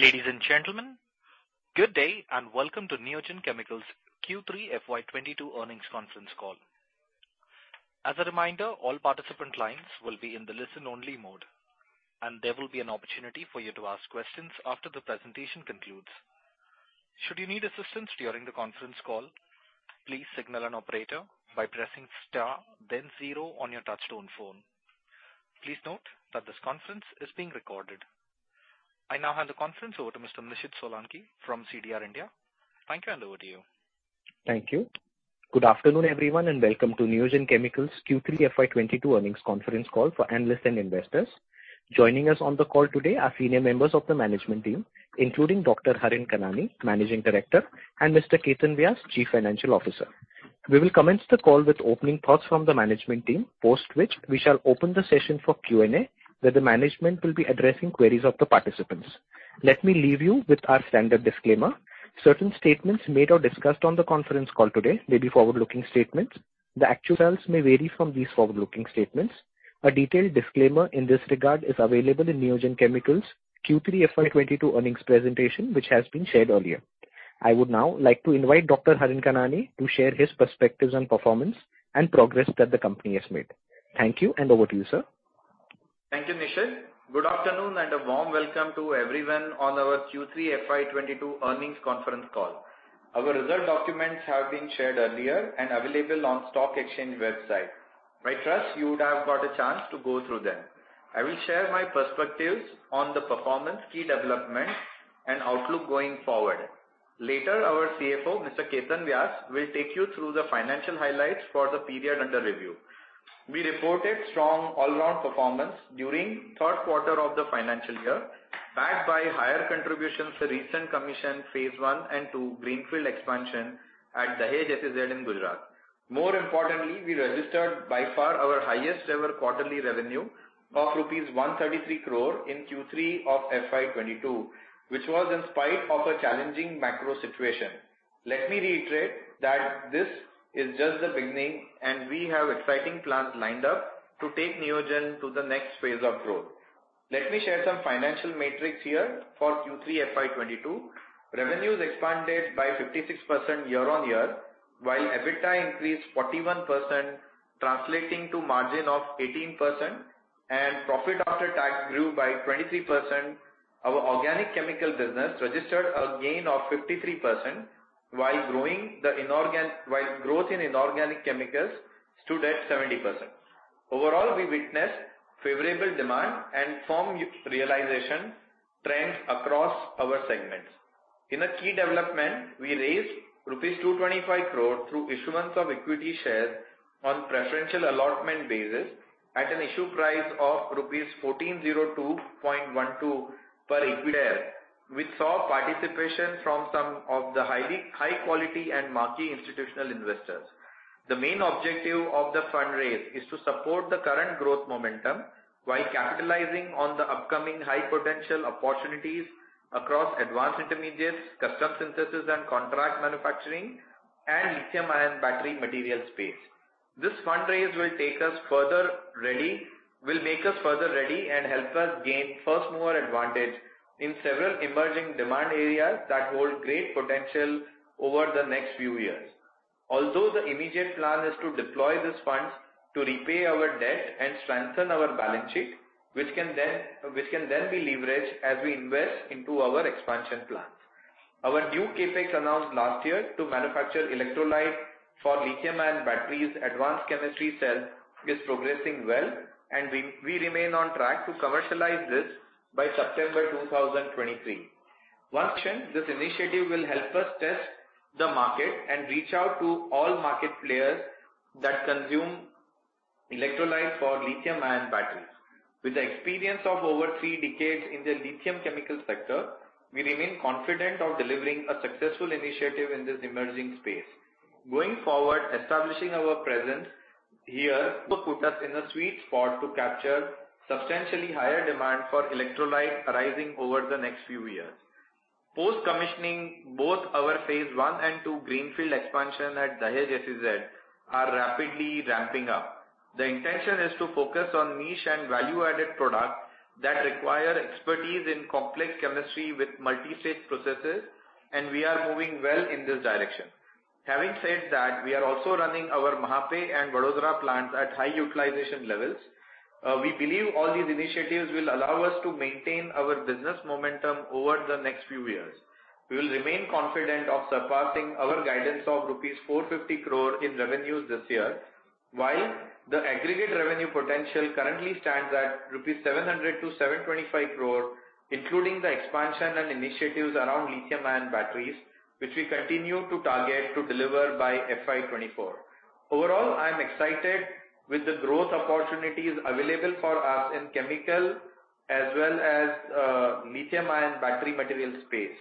Ladies and gentlemen, good day and welcome to Neogen Chemicals Q3 FY 2022 earnings conference call. As a reminder, all participant lines will be in the listen-only mode, and there will be an opportunity for you to ask questions after the presentation concludes. Should you need assistance during the conference call, please signal an operator by pressing Star, then Zero on your touchtone phone. Please note that this conference is being recorded. I now hand the conference over to Mr. Nishid Solanki from CDR India. Thank you and over to you. Thank you. Good afternoon, everyone, and welcome to Neogen Chemicals Q3 FY 2022 earnings conference call for analysts and investors. Joining us on the call today are senior members of the management team, including Dr. Harin Kanani, Managing Director, and Mr. Ketan Vyas, Chief Financial Officer. We will commence the call with opening thoughts from the management team, post which we shall open the session for Q&A, where the management will be addressing queries of the participants. Let me leave you with our standard disclaimer. Certain statements made or discussed on the conference call today may be forward-looking statements. The actual results may vary from these forward-looking statements. A detailed disclaimer in this regard is available in Neogen Chemicals Q3 FY 2022 earnings presentation, which has been shared earlier. I would now like to invite Dr.Harin Kanani to share his perspectives on performance and progress that the company has made. Thank you and over to you, sir. Thank you, Nishit. Good afternoon and a warm welcome to everyone on our Q3 FY 2022 earnings conference call. Our result documents have been shared earlier and available on stock exchange website. I trust you would have got a chance to go through them. I will share my perspectives on the performance, key development and outlook going forward. Later, our CFO, Mr. Ketan Vyas, will take you through the financial highlights for the period under review. We reported strong all around performance during third quarter of the financial year, backed by higher contributions to recent commissioning phase one and two greenfield expansion at Dahej SEZ in Gujarat. More importantly, we registered by far our highest ever quarterly revenue of rupees 133 crore in Q3 of FY 2022, which was in spite of a challenging macro situation. Let me reiterate that this is just the beginning and we have exciting plans lined up to take Neogen to the next phase of growth. Let me share some financial metrics here for Q3 FY 2022. Revenues expanded by 56% year-on-year, while EBITDA increased 41%, translating to margin of 18% and profit after tax grew by 23%. Our organic chemical business registered a gain of 53% while growth in inorganic chemicals stood at 70%. Overall, we witnessed favorable demand and firm realization trends across our segments. In a key development, we raised 225 crore rupees through issuance of equity shares on preferential allotment basis at an issue price of rupees 1402.12 per equity share. We saw participation from some of the high quality and marquee institutional investors. The main objective of the fund raise is to support the current growth momentum while capitalizing on the upcoming high potential opportunities across advanced intermediates, custom synthesis and contract manufacturing and lithium-ion battery material space. This fund raise will make us further ready and help us gain first mover advantage in several emerging demand areas that hold great potential over the next few years. Although the immediate plan is to deploy these funds to repay our debt and strengthen our balance sheet, which can then be leveraged as we invest into our expansion plans. Our new CAPEX announced last year to manufacture electrolyte for lithium-ion batteries Advanced Chemistry Cell is progressing well, and we remain on track to commercialize this by September 2023. Once commissioned, this initiative will help us test the market and reach out to all market players that consume electrolyte for lithium-ion batteries. With experience of over three decades in the lithium chemical sector, we remain confident of delivering a successful initiative in this emerging space. Going forward, establishing our presence here will put us in a sweet spot to capture substantially higher demand for electrolyte arising over the next few years. Post-commissioning, both our phase one and two greenfield expansion at Dahej SEZ are rapidly ramping up. The intention is to focus on niche and value-added products that require expertise in complex chemistry with multi-stage processes, and we are moving well in this direction. Having said that, we are also running our Mahape and Vadodara plants at high utilization levels. We believe all these initiatives will allow us to maintain our business momentum over the next few years. We will remain confident of surpassing our guidance of rupees 450 crore in revenues this year, while the aggregate revenue potential currently stands at 700-725 crore rupees, including the expansion and initiatives around lithium-ion batteries, which we continue to target to deliver by FY 2024. Overall, I am excited with the growth opportunities available for us in chemical as well as, lithium-ion battery material space.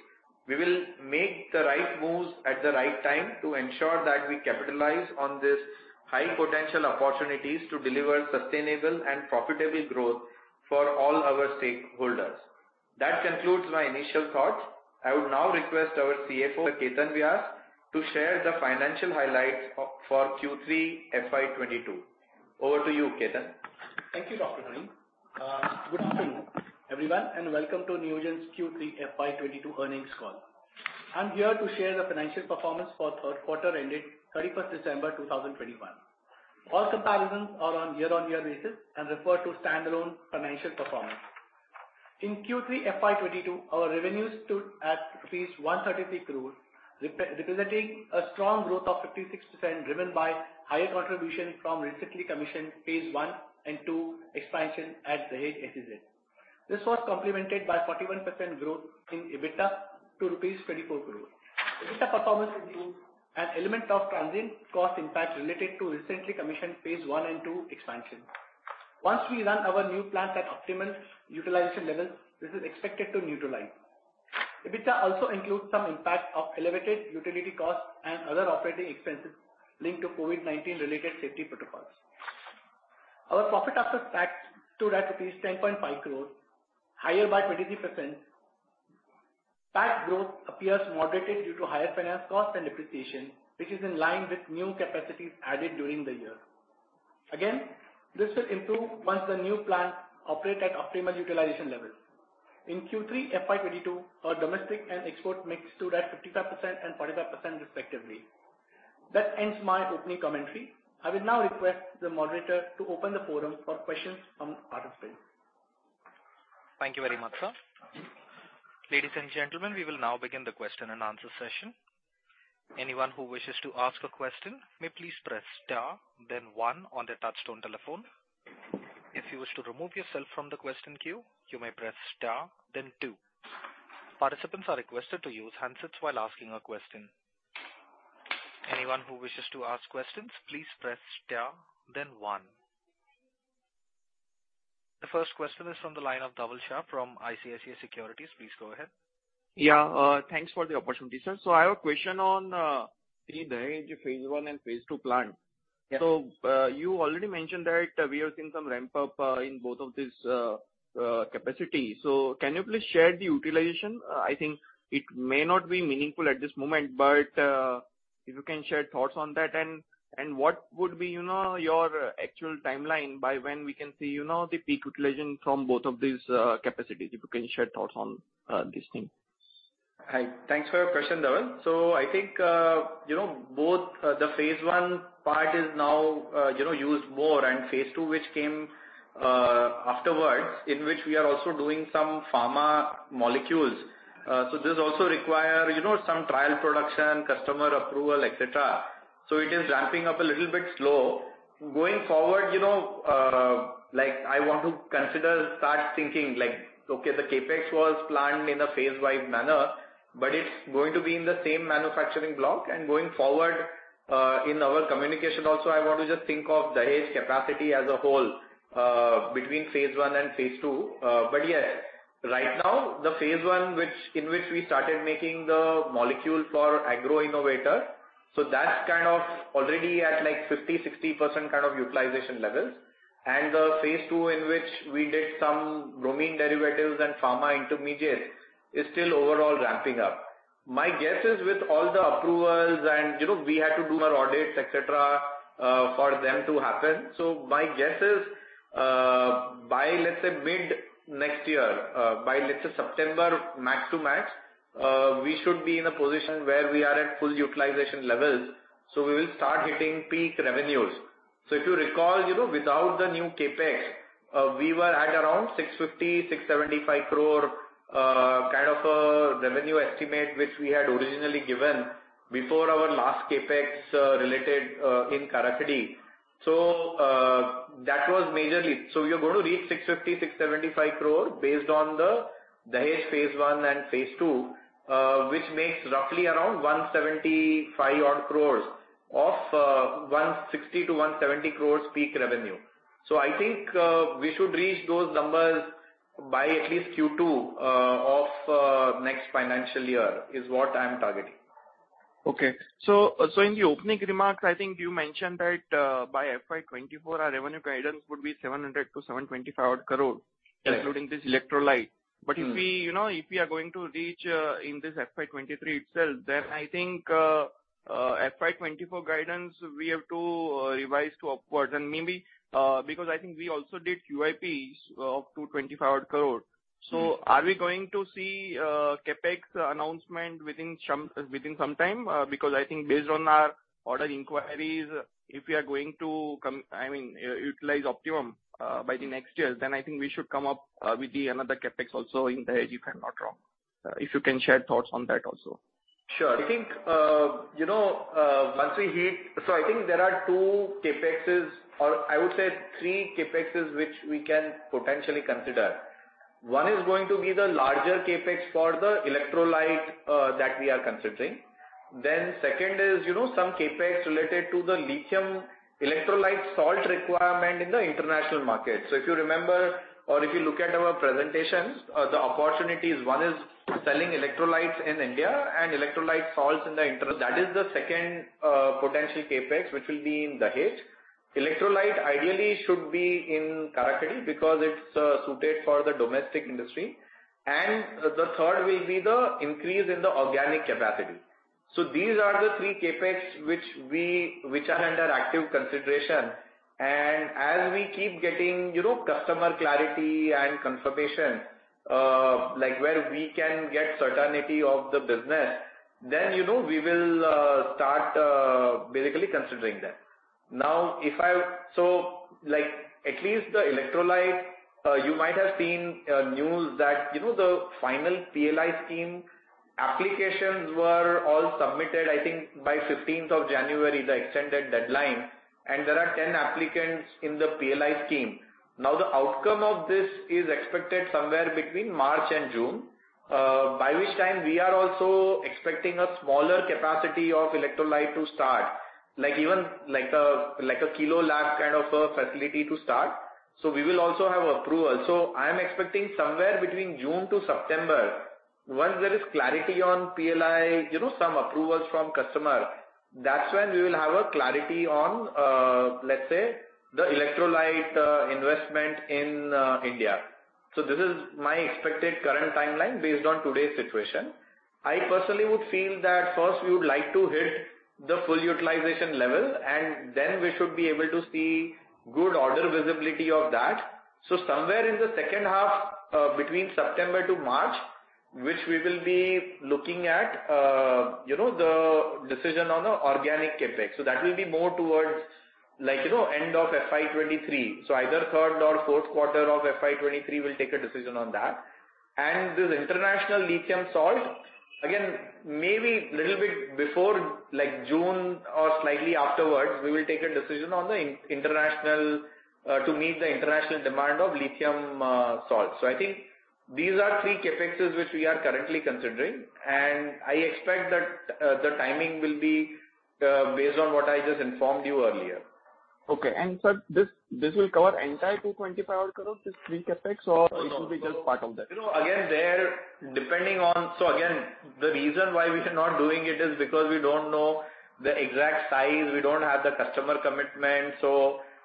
We will make the right moves at the right time to ensure that we capitalize on this high potential opportunities to deliver sustainable and profitable growth for all our stakeholders. That concludes my initial thoughts. I would now request our CFO, Ketan Vyas, to share the financial highlights for Q3 FY 2022. Over to you, Ketan. Thank you, Dr. Harin. Good afternoon, everyone, and welcome to Neogen's Q3 FY 2022 earnings call. I'm here to share the financial performance for third quarter ended 31 December 2021. All comparisons are on year-on-year basis and refer to standalone financial performance. In Q3 FY 2022, our revenues stood at rupees 133 crore, representing a strong growth of 56% driven by higher contribution from recently commissioned phase one and two expansion at Dahej SEZ. This was complemented by 41% growth in EBITDA to rupees 24 crore. EBITDA performance includes an element of transient cost impact related to recently commissioned phase one and two expansion. Once we run our new plant at optimal utilization levels, this is expected to neutralize. EBITDA also includes some impact of elevated utility costs and other operating expenses linked to COVID-19 related safety protocols. Our profit after tax stood at rupees 10.5 crore, higher by 23%. Tax growth appears moderated due to higher finance costs and depreciation, which is in line with new capacities added during the year. Again, this will improve once the new plant operate at optimal utilization levels. In Q3 FY 2022, our domestic and export mix stood at 55% and 45% respectively. That ends my opening commentary. I will now request the moderator to open the forum for questions from participants. Thank you very much, sir. Ladies and gentlemen, we will now begin the question and answer session. Anyone who wishes to ask a question may please press star then one on their touchtone telephone. If you wish to remove yourself from the question queue, you may press star then two. Participants are requested to use handsets while asking a question. Anyone who wishes to ask questions, please press star then one. The first question is from the line of Dhaval Shah from ICICI Securities. Please go ahead. Yeah, thanks for the opportunity, sir. I have a question on the Dahej phase 1 and phase 2 plant. Yeah. You already mentioned that we have seen some ramp up in both of these capacity. Can you please share the utilization? I think it may not be meaningful at this moment, but if you can share thoughts on that and what would be, you know, your actual timeline by when we can see, you know, the peak utilization from both of these capacities. If you can share thoughts on this thing. Hi. Thanks for your question, Dhaval. I think, you know, both, the phase one part is now, you know, used more, and phase two, which came, afterwards, in which we are also doing some pharma molecules. This also require, you know, some trial production, customer approval, et cetera. It is ramping up a little bit slow. Going forward, you know, like I want to consider start thinking like, okay, the CAPEX was planned in a phase-wide manner, but it's going to be in the same manufacturing block. Going forward, in our communication also, I want to just think of Dahej capacity as a whole, between phase one and phase two. Yes, right now the phase one, which, in which we started making the molecule for agro innovator, so that's kind of already at like 50%-60% kind of utilization levels. The phase two in which we did some bromine derivatives and pharma intermediates is still overall ramping up. My guess is with all the approvals and, you know, we had to do our audits, et cetera, for them to happen. My guess is, by, let's say, mid next year, by let's say September, max, we should be in a position where we are at full utilization levels, so we will start hitting peak revenues. If you recall, you know, without the new CAPEX, we were at around 650 crore-675 crore kind of a revenue estimate which we had originally given before our last CAPEX related in Karakhadi. That was majorly. We are going to reach 650 crore-675 crore based on the Dahej phase one and phase two, which makes roughly around 175 odd crore of 160 crore-170 crore peak revenue. I think, we should reach those numbers by at least Q2 of next financial year is what I'm targeting. Okay. In the opening remarks, I think you mentioned that by FY 2024 our revenue guidance would be 700 crore-725 crore odd. Yeah. including this electrolyte. Mm-hmm. If we, you know, if we are going to reach in this FY 2023 itself, then I think FY 2024 guidance we have to revise upwards. Maybe because I think we also did QIP of 225 odd crore. Mm-hmm. Are we going to see CAPEX announcement within some time? Because I think based on our order inquiries, if we are going to utilize optimum by the next year, then I think we should come up with the another CAPEX also in Dahej if I'm not wrong. If you can share thoughts on that also. Sure. I think you know once we hit I think there are two CAPEXes or I would say three CAPEXes which we can potentially consider. One is going to be the larger CAPEX for the electrolyte that we are considering. Then second is you know some CAPEX related to the lithium electrolyte salt requirement in the international market. If you remember or if you look at our presentations the opportunities one is selling electrolytes in India and electrolyte salts in the international. That is the second potential CAPEX which will be in Dahej. Electrolyte ideally should be in Karakhadi because it's suited for the domestic industry. The third will be the increase in the organic capacity. These are the three CAPEX which are under active consideration. As we keep getting, you know, customer clarity and confirmation, like, where we can get certainty of the business, then, you know, we will start basically considering that. Now, like, at least the electrolyte, you might have seen news that, you know, the final PLI scheme applications were all submitted, I think by fifteenth of January, the extended deadline, and there are 10 applicants in the PLI scheme. Now, the outcome of this is expected somewhere between March and June, by which time we are also expecting a smaller capacity of electrolyte to start, even a kilo lab kind of a facility to start. We will also have approval. I am expecting somewhere between June to September. Once there is clarity on PLI, you know, some approvals from customer, that's when we will have a clarity on, let's say, the electrolyte, investment in, India. This is my expected current timeline based on today's situation. I personally would feel that first we would like to hit the full utilization level, and then we should be able to see good order visibility of that. Somewhere in the second half, between September to March, which we will be looking at, you know, the decision on a organic CAPEX. That will be more towards, like, you know, end of FY 2023. Either third or fourth quarter of FY 2023, we'll take a decision on that. This international lithium salt, again, maybe little bit before, like, June or slightly afterwards, we will take a decision on the international to meet the international demand of lithium salt. I think these are three CAPEXes which we are currently considering, and I expect that the timing will be based on what I just informed you earlier. Okay. Sir, this will cover entire 225 odd crore, this three CAPEX, or it will be just part of that? You know, again, they're depending on. Again, the reason why we are not doing it is because we don't know the exact size. We don't have the customer commitment.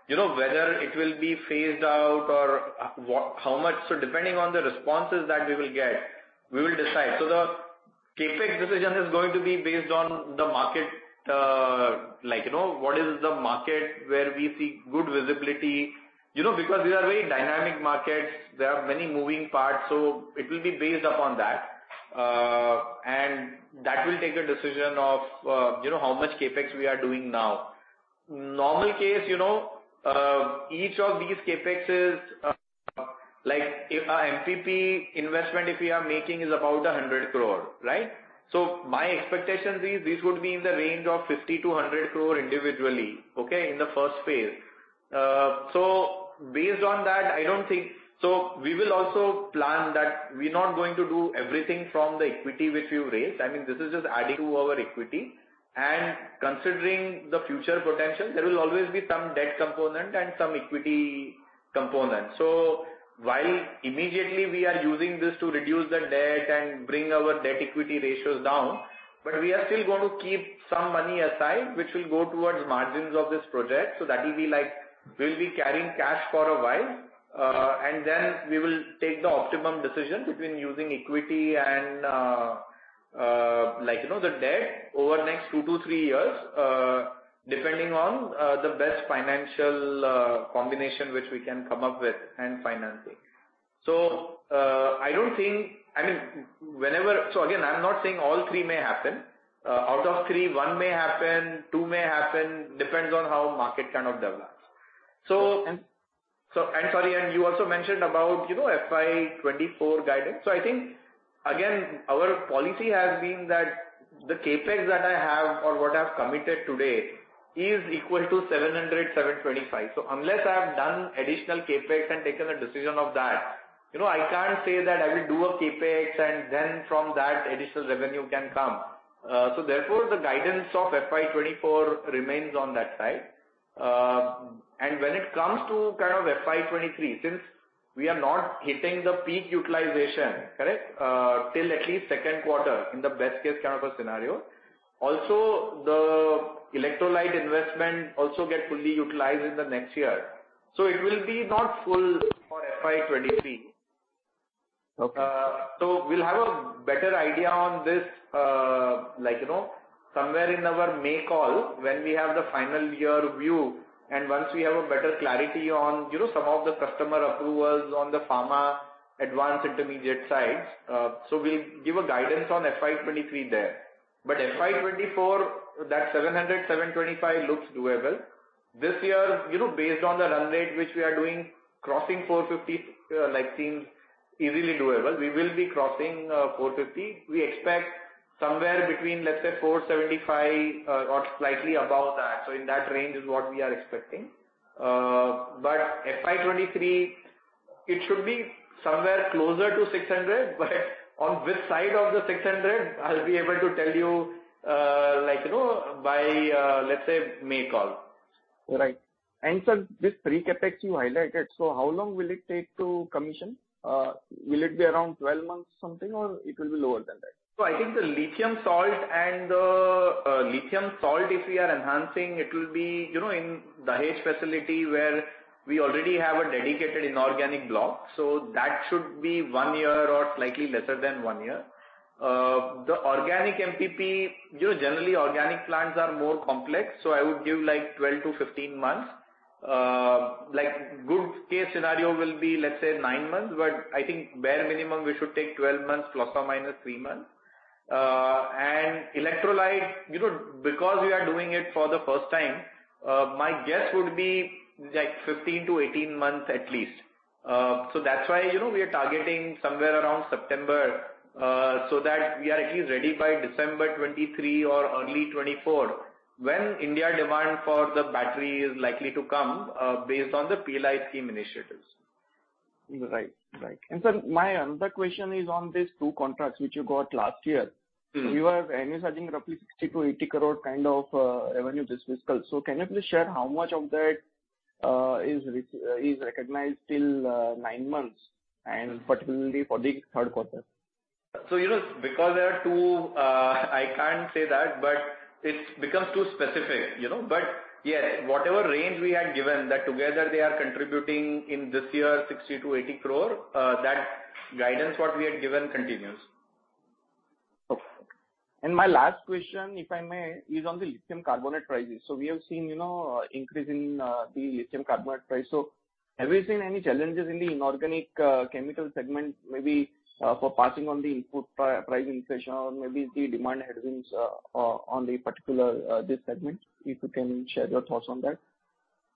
You know, whether it will be phased out or how much. Depending on the responses that we will get, we will decide. The CAPEX decision is going to be based on the market, like, you know, what is the market where we see good visibility. You know, because these are very dynamic markets, there are many moving parts, so it will be based upon that. And that will take a decision of, you know, how much CAPEX we are doing now. Normal case, you know, each of these CAPEXes, like, if our MPP investment, if we are making, is about 100 crore, right? My expectation is this would be in the range of 50 crore-100 crore individually, okay, in the first phase. We will also plan that we're not going to do everything from the equity which we've raised. I mean, this is just adding to our equity. Considering the future potential, there will always be some debt component and some equity component. While immediately we are using this to reduce the debt and bring our debt equity ratios down, but we are still going to keep some money aside, which will go towards margins of this project. That will be like we'll be carrying cash for a while, and then we will take the optimum decision between using equity and, like, you know, the debt over the next two to three years, depending on the best financial combination which we can come up with and financing. I'm not saying all three may happen. Out of three, one may happen, two may happen. Depends on how market kind of develops. And. You also mentioned about, you know, FY 2024 guidance. I think, again, our policy has been that the CAPEX that I have or what I've committed today is equal to 700-725. Unless I have done additional CAPEX and taken a decision of that, you know, I can't say that I will do a CAPEX and then from that additional revenue can come. Therefore, the guidance of FY 2024 remains on that side. When it comes to kind of FY 2023, since we are not hitting the peak utilization, correct, till at least second quarter in the best case kind of a scenario. Also the electrolyte investment also get fully utilized in the next year. It will be not full for FY 2023. Okay. We'll have a better idea on this, like, you know, somewhere in our May call when we have the final year view and once we have a better clarity on, you know, some of the customer approvals on the pharma advanced intermediates sides. We'll give a guidance on FY 2023 there. FY 2024, that 700-725 looks doable. This year, you know, based on the run rate which we are doing, crossing 450, like, seems easily doable. We will be crossing 450. We expect somewhere between, let's say, 475, or slightly above that. In that range is what we are expecting. FY 2023, it should be somewhere closer to 600. On which side of the 600, I'll be able to tell you, like, you know, by, let's say, May call. Right. Sir, this pre-CAPEX you highlighted, so how long will it take to commission? Will it be around 12 months something or it will be lower than that? I think the lithium salt, if we are enhancing, it will be, you know, in Dahej facility where we already have a dedicated inorganic block. That should be one year or slightly lesser than one year. The organic MPP, you know, generally organic plants are more complex, so I would give, like, 12 months to 15 months. Like, good case scenario will be, let's say nine months, but I think bare minimum we should take 12 months plus or minus three months. Electrolyte, you know, because we are doing it for the first time, my guess would be, like, 15 months to 18 months at least. That's why, you know, we are targeting somewhere around September so that we are at least ready by December 2023 or early 2024, when Indian demand for the battery is likely to come, based on the PLI scheme initiatives. Right. Right. Sir, my another question is on these two contracts which you got last year. Mm-hmm. You were envisaging roughly 60 crore-80 crore kind of revenue this fiscal. Can you please share how much of that is recognized till nine months, and particularly for the third quarter? You know, because there are two, I can't say that, but it becomes too specific, you know. Yeah, whatever range we had given that together they are contributing in this year 60 crore-80 crore, that guidance what we had given continues. Okay. My last question, if I may, is on the lithium carbonate prices. We have seen, you know, increase in the lithium carbonate price. Have you seen any challenges in the inorganic chemical segment, maybe, for passing on the input price increase or maybe the demand headwinds on the particular this segment? If you can share your thoughts on that.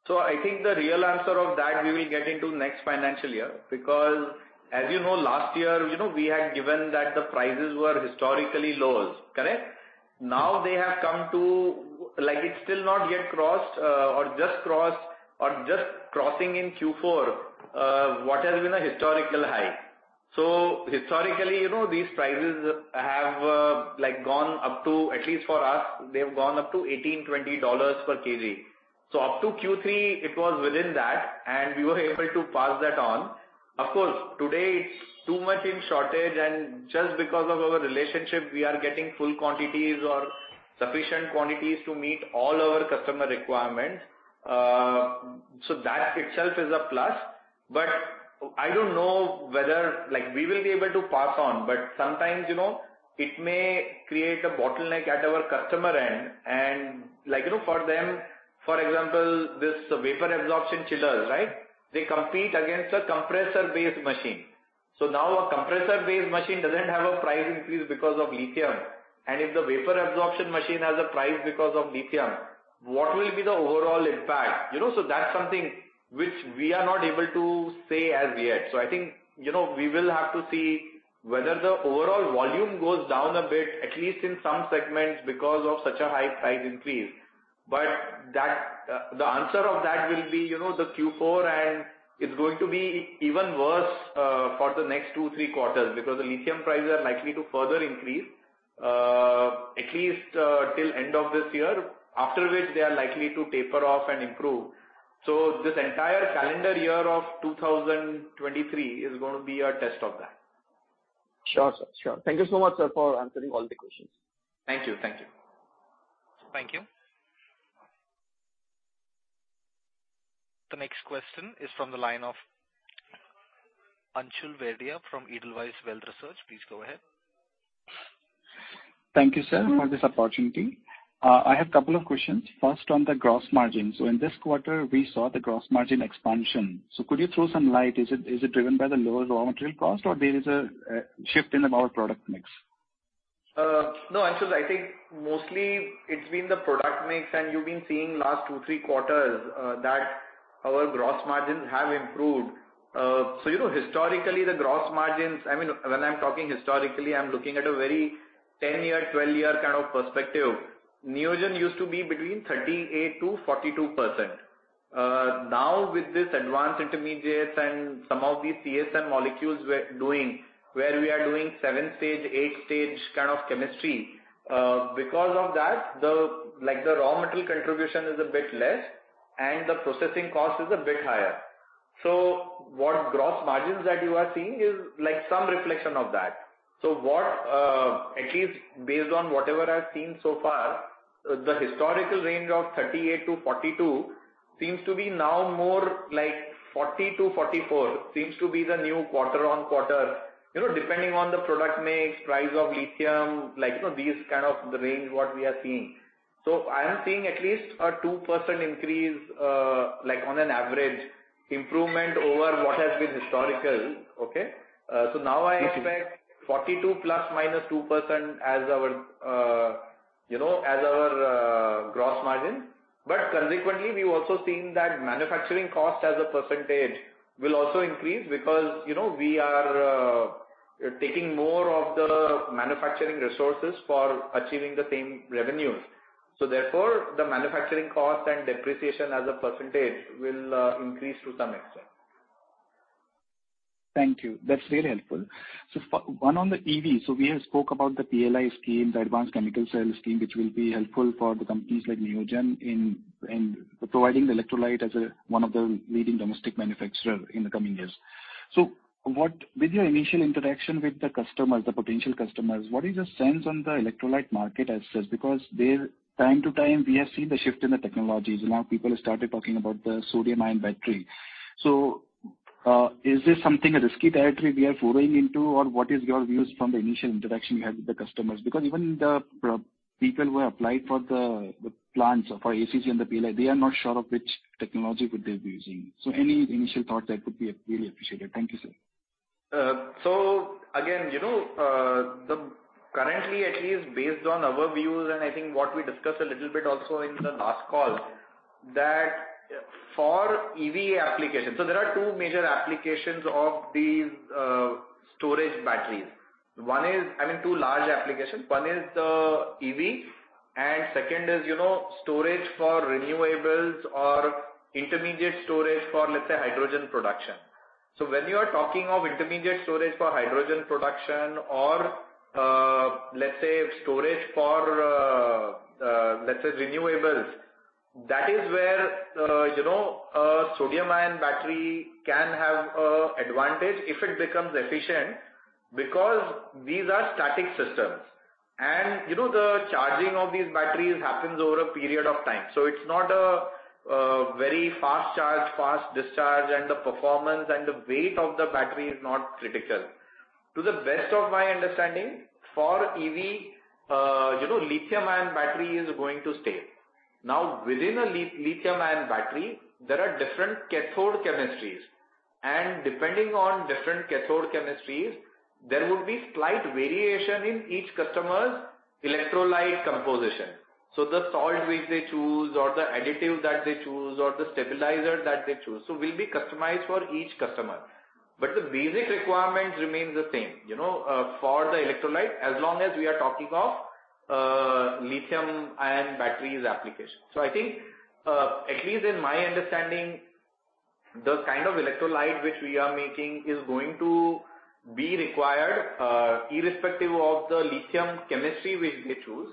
I think the real answer of that we will get into next financial year, because as you know, last year, you know, we had given that the prices were historically lowest. Correct? Now they have come to like, it's still not yet crossed, or just crossed or just crossing in Q4, what has been a historical high. Historically, you know, these prices have, like, gone up to, at least for us, they've gone up to $18-$20 per kg. Up to Q3 it was within that, and we were able to pass that on. Of course, today it's too much in shortage, and just because of our relationship, we are getting full quantities or sufficient quantities to meet all our customer requirements. That itself is a plus. But I don't know whether, like, we will be able to pass on. Sometimes, you know, it may create a bottleneck at our customer end and like, you know, for them, for example, this vapor absorption chillers, right? They compete against a compressor-based machine. Now a compressor-based machine doesn't have a price increase because of lithium, and if the vapor absorption machine has a price because of lithium, what will be the overall impact? You know, so that's something which we are not able to say as yet. I think, you know, we will have to see whether the overall volume goes down a bit, at least in some segments, because of such a high price increase. That, the answer of that will be, you know, the Q4, and it's going to be even worse, for the next two, three quarters, because the lithium prices are likely to further increase, at least, till end of this year, after which they are likely to taper off and improve. So this entire calendar year of 2023 is going to be a test of that. Sure, sir. Sure. Thank you so much, sir, for answering all the questions. Thank you. Thank you. Thank you. The next question is from the line of Anshul Verdia from Edelweiss Wealth Management. Please go ahead. Thank you, sir, for this opportunity. I have couple of questions. First, on the gross margin. Could you throw some light? Is it driven by the lower raw material cost or there is a shift in our product mix? No, Anshul, I think mostly it's been the product mix, and you've been seeing last two, three quarters that our gross margins have improved. You know, historically, the gross margins, I mean, when I'm talking historically, I'm looking at a very 10-year, 12-year kind of perspective. Neogen used to be between 38%-42%. Now with this advanced intermediates and some of these CSM molecules we're doing where we are doing 7-stage, 8-stage kind of chemistry, because of that, like, the raw material contribution is a bit less and the processing cost is a bit higher. What gross margins that you are seeing is, like, some reflection of that. What at least based on whatever I've seen so far, the historical range of 38%-42% seems to be now more, like, 40%-44% seems to be the new quarter-over-quarter. You know, depending on the product mix, price of lithium, like, you know, these kind of the range, what we are seeing. I am seeing at least a 2% increase, like, on average improvement over what has been historical. Okay. Now I expect 42% ±2% as our, you know, as our, gross margin. But consequently, we've also seen that manufacturing cost as a percentage will also increase because, you know, we are taking more of the manufacturing resources for achieving the same revenues. Therefore, the manufacturing cost and depreciation as a percentage will increase to some extent. Thank you. That's really helpful. Follow-up on the EV. We have spoken about the PLI scheme, the Advanced Chemistry Cell Scheme, which will be helpful for the companies like Neogen in providing the electrolyte as one of the leading domestic manufacturers in the coming years. With your initial interaction with the customers, the potential customers, what is the sense on the electrolyte market as such? Because from time to time we have seen the shift in the technologies. Now people have started talking about the sodium-ion battery. Is this something, a risky territory we are foraying into? Or what is your views from the initial interaction you had with the customers? Because even the people who applied for the plants for ACC and the PLI, they are not sure of which technology would they be using. Any initial thought there could be really appreciated. Thank you, sir. Again, you know, then currently at least based on our views, and I think what we discussed a little bit also in the last call, that for EV applications. There are two major applications of these storage batteries. I mean, two large applications. One is the EV and second is, you know, storage for renewables or intermediate storage for, let's say, hydrogen production. When you are talking of intermediate storage for hydrogen production or, let's say storage for, let's say renewables, that is where, you know, a sodium-ion battery can have an advantage if it becomes efficient, because these are static systems. You know, the charging of these batteries happens over a period of time, so it's not a very fast charge, fast discharge, and the performance and the weight of the battery is not critical. To the best of my understanding for EV, lithium-ion battery is going to stay. Within a lithium-ion battery, there are different cathode chemistries, and depending on different cathode chemistries, there would be slight variation in each customer's electrolyte composition. The salt which they choose or the additive that they choose or the stabilizer that they choose will be customized for each customer. The basic requirements remain the same, you know, for the electrolyte as long as we are talking of lithium-ion batteries application. I think, at least in my understanding, the kind of electrolyte which we are making is going to be required, irrespective of the lithium chemistry which they choose.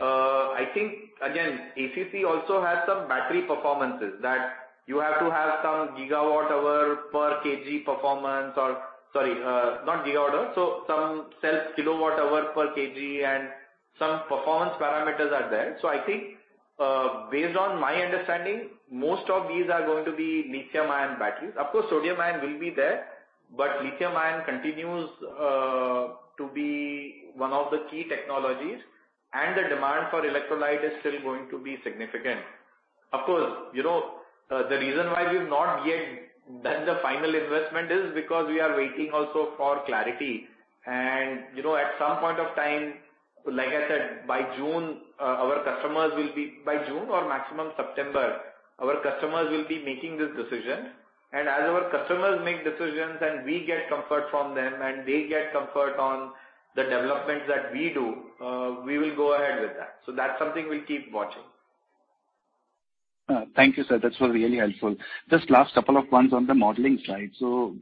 I think again, ACC also has some battery performances that you have to have some GWh per kg performance or, sorry, not GWh. Some cell kWh per kg and some performance parameters are there. I think, based on my understanding, most of these are going to be lithium-ion batteries. Of course, sodium-ion will be there, but lithium-ion continues to be one of the key technologies and the demand for electrolyte is still going to be significant. Of course, you know, the reason why we've not yet done the final investment is because we are waiting also for clarity. You know, at some point of time, like I said, by June, by June or maximum September, our customers will be making this decision. As our customers make decisions and we get comfort from them and they get comfort on the developments that we do, we will go ahead with that. That's something we'll keep watching. Thank you, sir. That was really helpful. Just last couple of ones on the modeling side.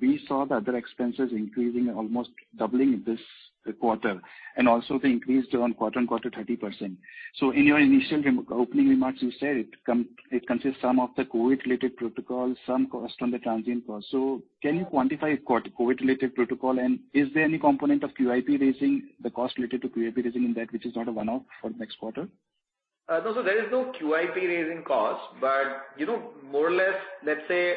We saw the other expenses increasing, almost doubling this quarter, and also they increased quarter-on-quarter 30%. In your initial opening remarks, you said it consists some of the COVID-related protocols, some cost on the transient cost. Can you quantify COVID-related protocol and is there any component of QIP raising the cost related to QIP raising in that which is not a one-off for next quarter? No. There is no QIP raising cost. You know, more or less let's say,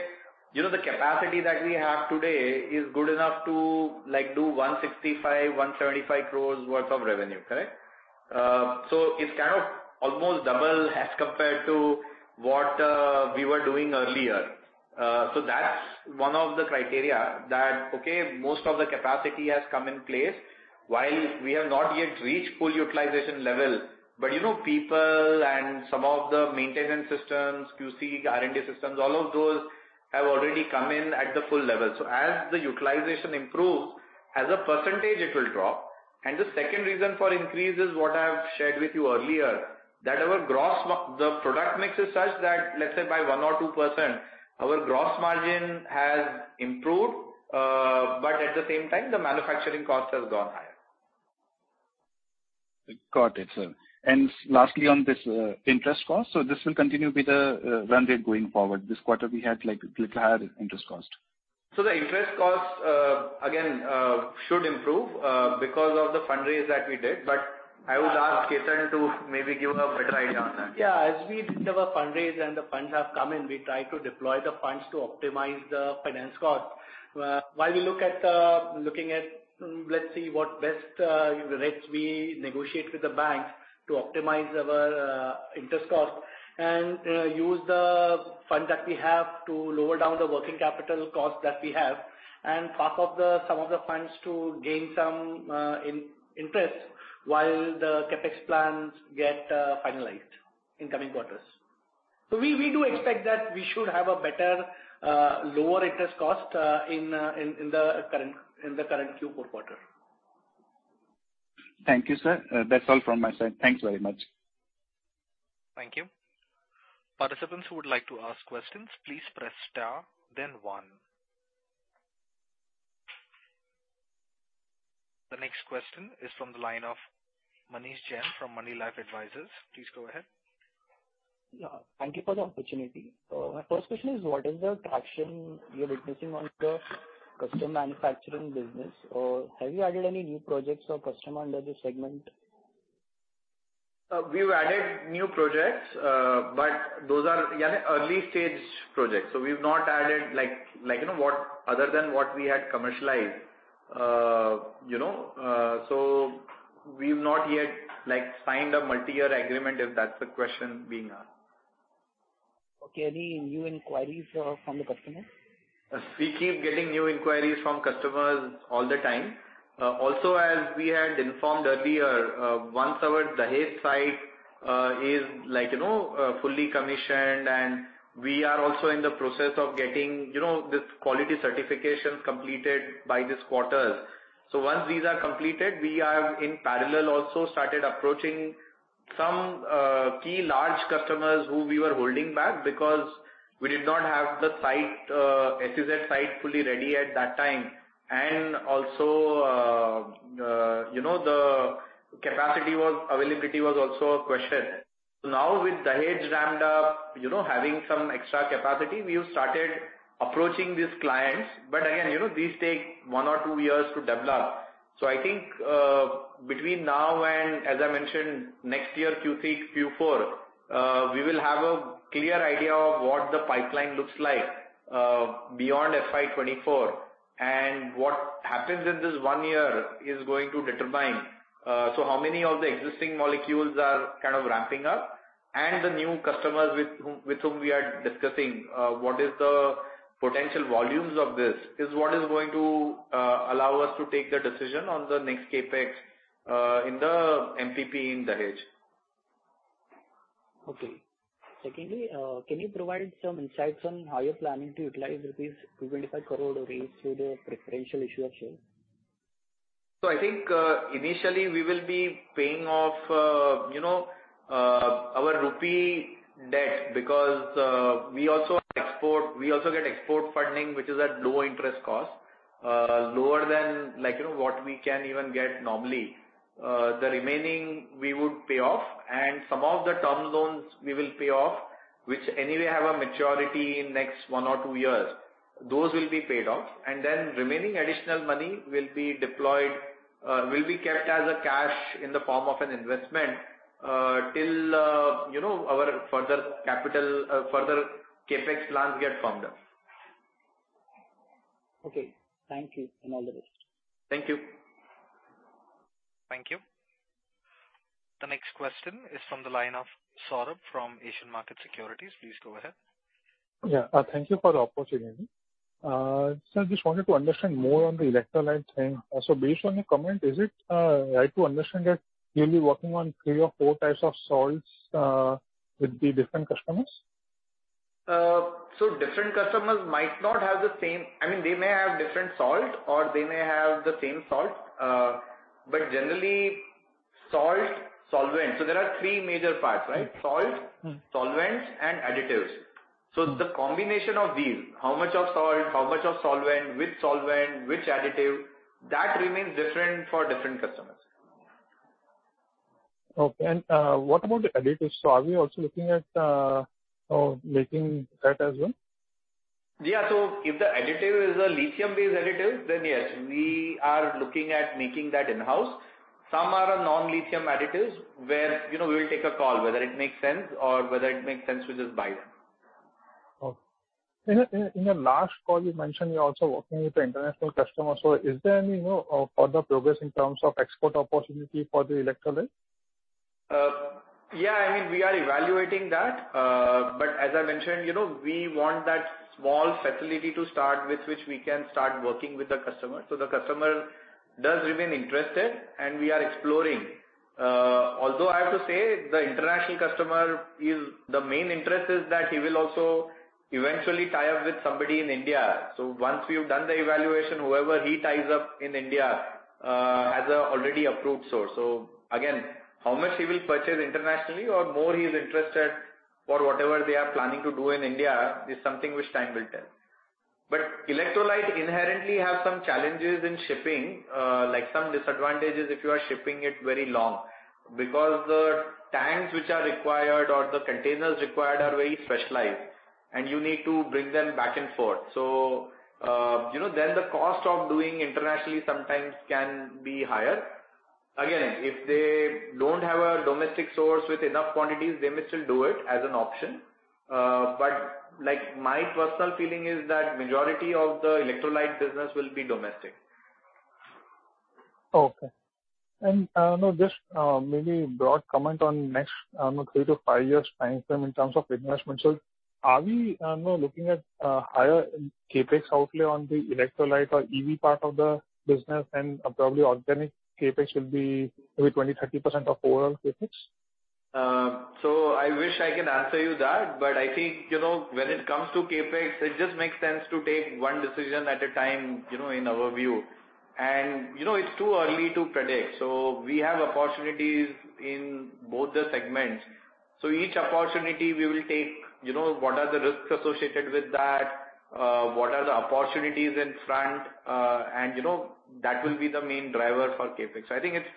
you know, the capacity that we have today is good enough to like do 165 crore-175 crore worth of revenue, correct? It's kind of almost double as compared to what we were doing earlier. That's one of the criteria that, okay, most of the capacity has come in place while we have not yet reached full utilization level. You know, people and some of the maintenance systems, QC, R&D systems, all of those have already come in at the full level. As the utilization improves, as a percentage it will drop. The second reason for increase is what I've shared with you earlier, that our product mix is such that, let's say by 1% or 2% our gross margin has improved, but at the same time the manufacturing cost has gone higher. Got it, sir. Lastly, on this interest cost. This will continue to be the trend going forward. This quarter we had a little higher interest cost. The interest cost, again, should improve, because of the fundraise that we did. I would ask Ketan to maybe give a better idea on that. Yeah. As we did our fundraise and the funds have come in, we try to deploy the funds to optimize the finance cost. While we look at what best rates we negotiate with the banks to optimize our interest cost and use the fund that we have to lower down the working capital cost that we have and park off some of the funds to gain some interest while the CAPEX plans get finalized in coming quarters. We do expect that we should have a better lower interest cost in the current Q4 quarter. Thank you, sir. That's all from my side. Thanks very much. Thank you. Participants who would like to ask questions, please press star, then one. The next question is from the line of Manish Jain from Moneylife Advisory Services. Please go ahead. Yeah. Thank you for the opportunity. My first question is, what is the traction you're witnessing on the custom manufacturing business? Have you added any new projects or customer under this segment? We've added new projects, but those are, you know, early stage projects. We've not added like, you know, other than what we had commercialized, you know. We've not yet, like, signed a multi-year agreement, if that's the question being asked. Okay. Any new inquiries from the customers? We keep getting new inquiries from customers all the time. Also as we had informed earlier, once our Dahej site is like, you know, fully commissioned and we are also in the process of getting, you know, this quality certifications completed by this quarter. Once these are completed, we have in parallel also started approaching some key large customers who we were holding back because we did not have the site, SEZ site fully ready at that time. Also, you know, the capacity, availability was also a question. Now with Dahej ramped up, you know, having some extra capacity, we have started approaching these clients. Again, you know, these take one or two years to develop. I think, between now and as I mentioned next year Q3, Q4, we will have a clear idea of what the pipeline looks like, beyond FY 2024. What happens in this one year is going to determine, so how many of the existing molecules are kind of ramping up and the new customers with whom we are discussing, what is the potential volumes of this, is what is going to allow us to take the decision on the next CAPEX, in the MPP in Dahej. Secondly, can you provide some insights on how you're planning to utilize rupees 225 crore raised through the preferential issue of shares? I think, initially we will be paying off, you know, our rupee debt because, we also export, we also get export funding, which is at low interest cost. Lower than like, you know, what we can even get normally. The remaining we would pay off and some of the term loans we will pay off, which anyway have a maturity in next one or two years. Those will be paid off and then remaining additional money will be deployed, will be kept as a cash in the form of an investment, till, you know, our further capital, further CAPEX plans get formed up. Okay. Thank you and all the best. Thank you. Thank you. The next question is from the line of Saurabh from Asian Markets Securities. Please go ahead. Yeah. Thank you for the opportunity. I just wanted to understand more on the electrolyte thing. Also, based on your comment, is it right to understand that you'll be working on three or four types of salts with the different customers? Different customers might not have the same. I mean, they may have different salt or they may have the same salt, but generally salt, solvent. There are three major parts, right? Mm-hmm. Salt. Mm-hmm. Solvents and additives. Mm-hmm. The combination of these, how much of salt, how much of solvent, which solvent, which additive, that remains different for different customers. Okay. What about the additives? Are we also looking at making that as well? Yeah. If the additive is a lithium-based additive, then yes, we are looking at making that in-house. Some are non-lithium additives where, you know, we will take a call whether it makes sense or whether it makes sense to just buy them. Okay. In your last call you mentioned you're also working with the international customers. Is there any, you know, further progress in terms of export opportunity for the electrolyte? Yeah, I mean, we are evaluating that. As I mentioned, you know, we want that small facility to start with which we can start working with the customer. The customer does remain interested and we are exploring. Although I have to say the international customer is, the main interest is that he will also eventually tie up with somebody in India. Once we've done the evaluation, whoever he ties up in India has an already approved source. Again, how much he will purchase internationally or more he's interested for whatever they are planning to do in India is something which time will tell. Electrolyte inherently have some challenges in shipping, like some disadvantages if you are shipping it very long because the tanks which are required or the containers required are very specialized and you need to bring them back and forth. You know, then the cost of doing internationally sometimes can be higher. Again, if they don't have a domestic source with enough quantities, they may still do it as an option. Like my personal feeling is that majority of the electrolyte business will be domestic. Just maybe a broad comment on the next, I don't know, three to five years timeframe in terms of investments. Are we, you know, looking at higher CAPEX outlay on the electrolyte or EV part of the business and probably organic CAPEX will be maybe 20%-30% of overall CAPEX? I wish I could answer you that, but I think, you know, when it comes to CAPEX, it just makes sense to take one decision at a time, you know, in our view. You know, it's too early to predict. We have opportunities in both the segments. Each opportunity we will take, you know, what are the risks associated with that? What are the opportunities in front? You know, that will be the main driver for CAPEX. I think it's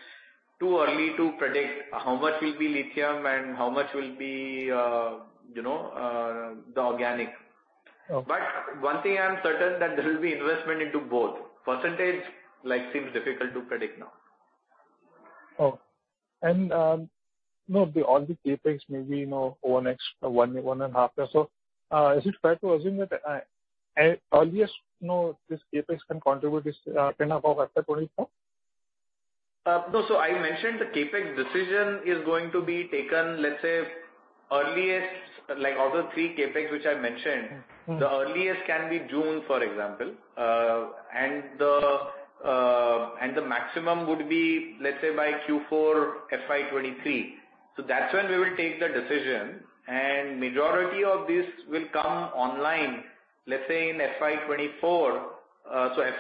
too early to predict how much will be lithium and how much will be the organic. Okay. One thing I am certain that there will be investment into both. Percentage, like, seems difficult to predict now. You know, all the CAPEX maybe, you know, over the next one and a half years or so, is it fair to assume that the earliest, you know, this CAPEX can contribute is after 2024? No. I mentioned the CAPEX decision is going to be taken, let's say earliest, like, of the three CAPEX which I mentioned. Mm-hmm. The earliest can be June, for example. The maximum would be, let's say, by Q4 FY 2023. That's when we will take the decision. Majority of this will come online, let's say, in FY 2024.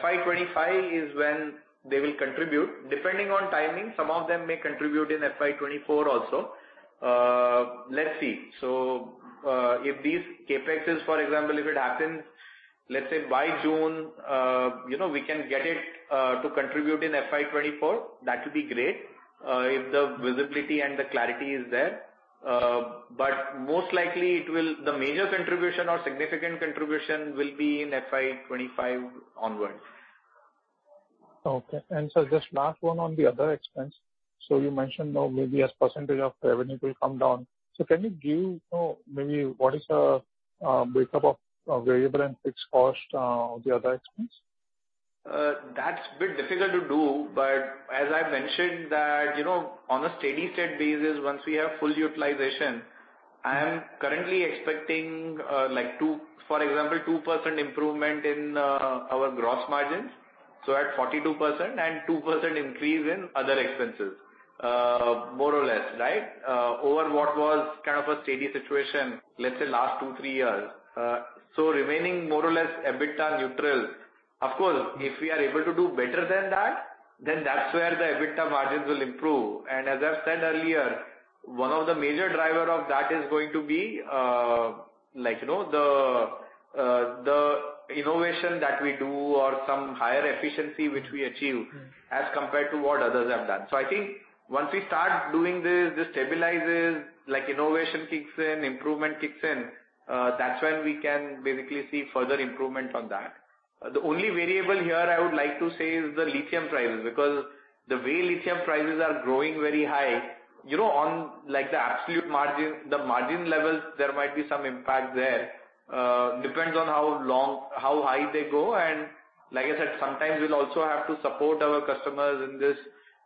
FY 2025 is when they will contribute. Depending on timing, some of them may contribute in FY 2024 also. Let's see. If these CAPEX, for example, if it happens, let's say by June, you know, we can get it to contribute in FY 2024, that will be great, if the visibility and the clarity is there. Most likely it will. The major contribution or significant contribution will be in FY 2025 onwards. Okay. Just last one on the other expense. You mentioned now maybe as percentage of revenue will come down. Can you give, you know, maybe what is the break-up of variable and fixed cost of the other expense? That's a bit difficult to do, but as I mentioned that, you know, on a steady-state basis, once we have full utilization, I am currently expecting, like 2%, for example, 2% improvement in our gross margins, so at 42% and 2% increase in other expenses. More or less, right? Over what was kind of a steady situation, let's say last two to three years. So remaining more or less EBITDA neutral. Of course, if we are able to do better than that, then that's where the EBITDA margins will improve. As I've said earlier, one of the major driver of that is going to be, like, you know, the innovation that we do or some higher efficiency which we achieve. Mm-hmm. As compared to what others have done. I think once we start doing this stabilizes, like innovation kicks in, improvement kicks in, that's when we can basically see further improvement on that. The only variable here I would like to say is the lithium prices, because the way lithium prices are growing very high, you know, on, like, the absolute margin, the margin levels, there might be some impact there. Depends on how long, how high they go. Like I said, sometimes we'll also have to support our customers in this,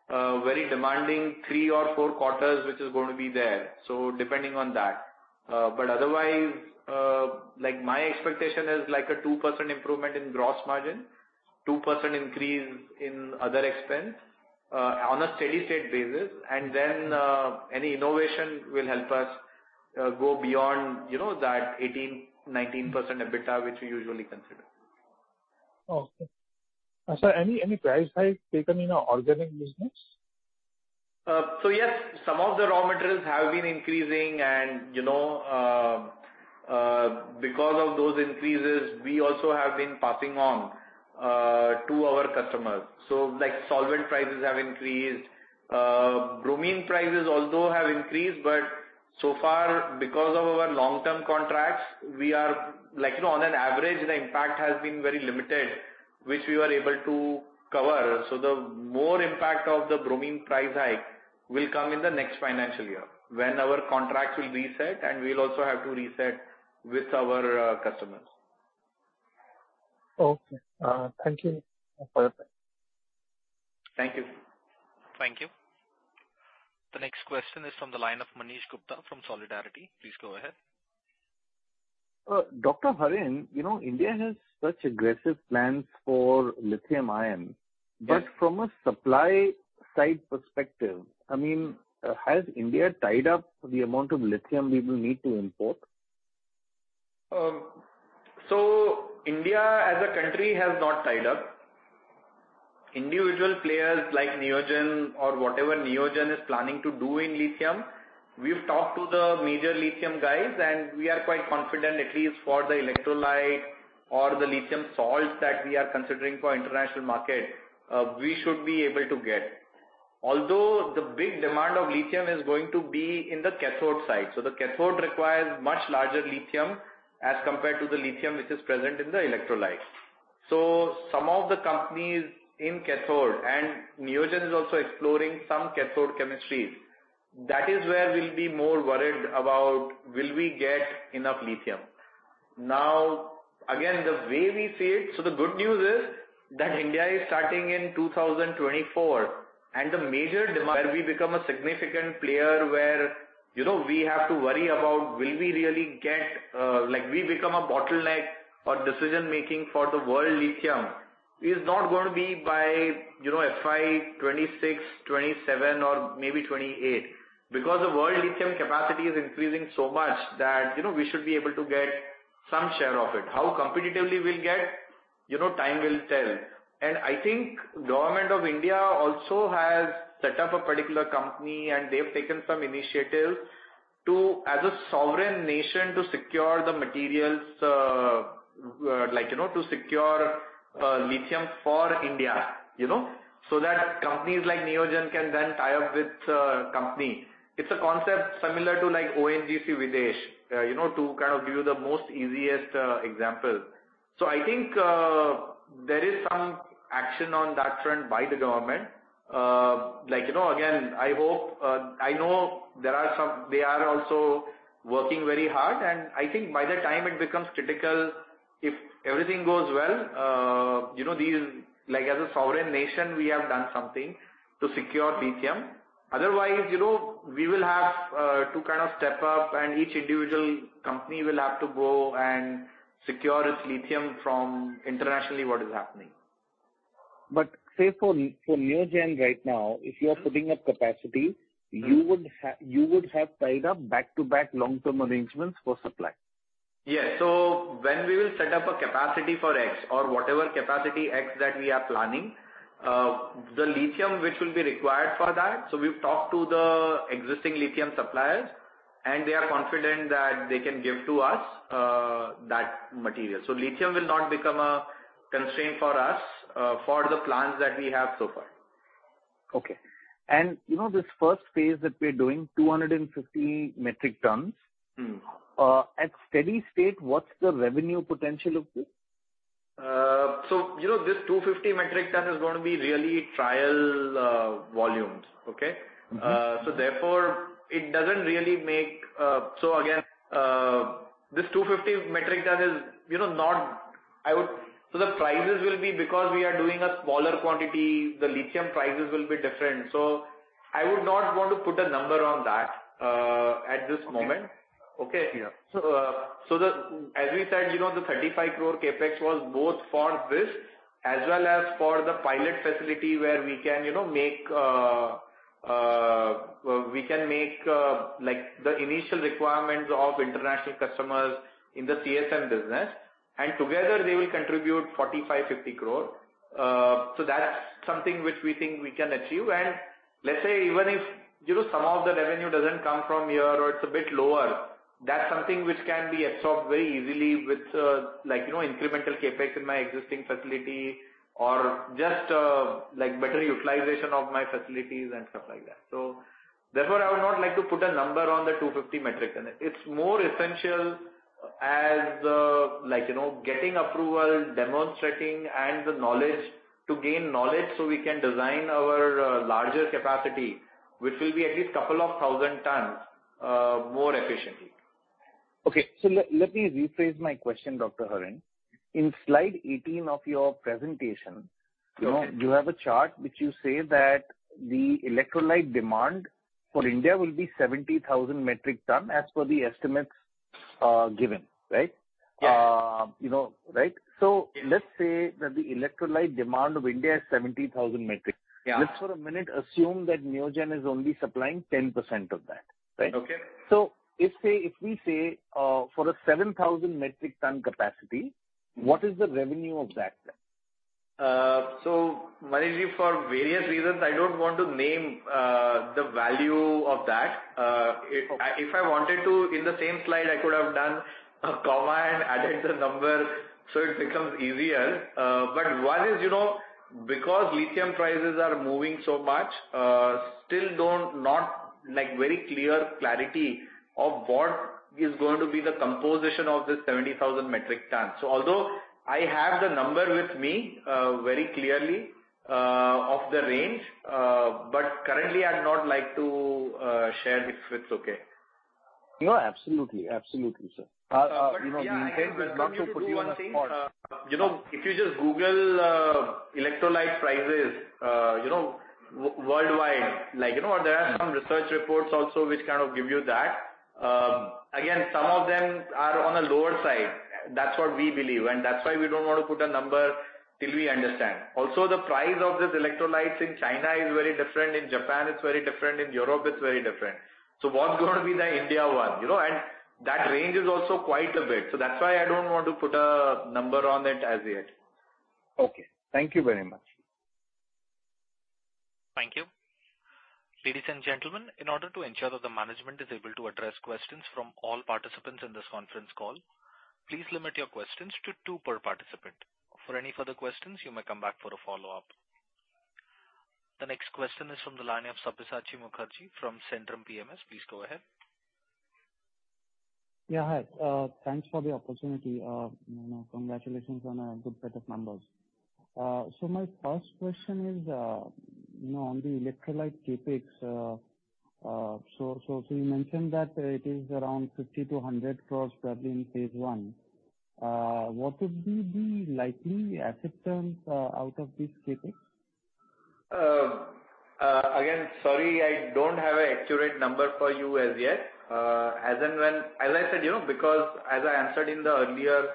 very demanding three or four quarters which is going to be there. Depending on that. Otherwise, like, my expectation is like a 2% improvement in gross margin, 2% increase in other expense, on a steady-state basis. Any innovation will help us go beyond, you know, that 18%-19% EBITDA, which we usually consider. Okay. Any price hike taken in our organic business? Yes, some of the raw materials have been increasing and, you know, because of those increases, we also have been passing on to our customers. Like, solvent prices have increased. Bromine prices also have increased, but so far, because of our long-term contracts, we are, like, you know, on an average, the impact has been very limited, which we were able to cover. The more impact of the bromine price hike will come in the next financial year when our contract will reset and we'll also have to reset with our customers. Okay. Thank you. No further questions. Thank you. Thank you. The next question is from the line of Manish Gupta from Solidarity. Please go ahead. Dr. Harin, you know, India has such aggressive plans for lithium ion. Yes. From a supply side perspective, I mean, has India tied up the amount of lithium we will need to import? India as a country has not tied up. Individual players like Neogen or whatever Neogen is planning to do in lithium, we've talked to the major lithium guys, and we are quite confident, at least for the electrolyte or the lithium salts that we are considering for international market, we should be able to get. Although the big demand of lithium is going to be in the cathode side. The cathode requires much larger lithium as compared to the lithium which is present in the electrolyte. Some of the companies in cathode, and Neogen is also exploring some cathode chemistries. That is where we'll be more worried about will we get enough lithium. Now, again, the way we see it, the good news is that India is starting in 2024, and the major demand where we become a significant player where, you know, we have to worry about will we really get, like we become a bottleneck or decision-making for the world lithium is not going to be by, you know, FY 2026, 2027 or maybe 2028, because the world lithium capacity is increasing so much that, you know, we should be able to get some share of it. How competitively we'll get, you know, time will tell. I think Government of India also has set up a particular company, and they've taken some initiatives to, as a sovereign nation, to secure the materials, like, you know, to secure lithium for India, you know. So that companies like Neogen can then tie up with a company. It's a concept similar to, like, ONGC Videsh, you know, to kind of give you the most easiest example. I think there is some action on that front by the government. Like, you know, again, I hope, I know they are also working very hard, and I think by the time it becomes critical, if everything goes well, you know, these, like as a sovereign nation, we have done something to secure lithium. Otherwise, you know, we will have to kind of step up, and each individual company will have to go and secure its lithium from what is happening internationally. Say for Neogen right now, if you are putting up capacity, you would have tied up back-to-back long-term arrangements for supply. Yeah. When we will set up a capacity for X or whatever capacity X that we are planning, the lithium which will be required for that. We've talked to the existing lithium suppliers, and they are confident that they can give to us, that material. Lithium will not become a constraint for us, for the plans that we have so far. Okay. You know, this first phase that we're doing, 250 metric tons. Mm-hmm. At steady state, what's the revenue potential of this? You know, this 250 metric ton is gonna be really trial volumes. Okay? Mm-hmm. Therefore it doesn't really make. Again, this 250 metric ton is, you know, not. The prices will be, because we are doing a smaller quantity, the lithium prices will be different. I would not want to put a number on that at this moment. Okay. Okay? Yeah. As we said, you know, the 35 crore CAPEX was both for this as well as for the pilot facility where we can, you know, make we can make, like the initial requirements of international customers in the CSM business, and together they will contribute 45 crore-50 crore. That's something which we think we can achieve. Let's say even if, you know, some of the revenue doesn't come from here or it's a bit lower, that's something which can be absorbed very easily with, like, you know, incremental CAPEX in my existing facility or just, like better utilization of my facilities and stuff like that. Therefore, I would not like to put a number on the 250 metric ton. It's more essential as, like, you know, getting approval, demonstrating and the knowledge to gain knowledge so we can design our larger capacity, which will be at least 2,000 tons more efficiently. Okay. Let me rephrase my question, Dr. Harin. In slide 18 of your presentation. Okay. You know, you have a chart which you say that the electrolyte demand for India will be 70,000 metric tons as per the estimates given, right? Yeah. You know, right? Yeah. Let's say that the electrolyte demand of India is 70,000 metric. Yeah. Just for a minute, assume that Neogen is only supplying 10% of that, right? Okay. If we say for a 7,000 metric ton capacity. Mm-hmm. What is the revenue of that then? Manish bhai, for various reasons, I don't want to name the value of that. Okay. If I wanted to, in the same slide, I could have done a comma and added the number so it becomes easier. One is, you know, because lithium prices are moving so much, still not very clear clarity of what is going to be the composition of this 70,000 metric ton. Although I have the number with me, very clearly, of the range, but currently I'd not like to share if it's okay. No, absolutely. Absolutely, sir. You know, the intent is not to put you on the spot. Yeah, I can just tell you one thing. If you just Google electrolyte prices, you know, worldwide, like, you know, there are some research reports also which kind of give you that. Again, some of them are on a lower side. That's what we believe, and that's why we don't want to put a number till we understand. Also, the price of these electrolytes in China is very different, in Japan it's very different, in Europe it's very different. What's going to be the India one? You know, and that range is also quite a bit. That's why I don't want to put a number on it as yet. Okay. Thank you very much. Thank you. Ladies and gentlemen, in order to ensure that the management is able to address questions from all participants in this conference call, please limit your questions to two per participant. For any further questions, you may come back for a follow-up. The next question is from the line of Sabyasachi Mukherjee from Centrum PMS. Please go ahead. Yeah, hi. Thanks for the opportunity. You know, congratulations on a good set of numbers. My first question is, you know, on the electrolyte CAPEX. You mentioned that it is around 50 crore-100 crore, probably in phase one. What would be the likely asset turn out of this CAPEX? Again, sorry, I don't have an accurate number for you as yet. As I said, you know, because as I answered in the earlier